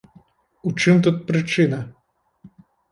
У чым тут прычына?